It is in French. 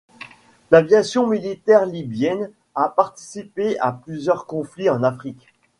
L'aviation militaire libyenne a participé à plusieurs conflits en Afrique.